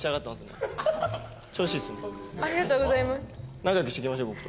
仲良くしてきましょう僕と。